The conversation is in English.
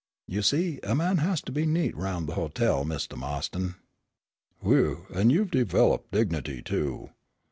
"You see, a man has to be neat aroun' the hotel, Mistah Ma'ston." "Whew, and you've developed dignity, too.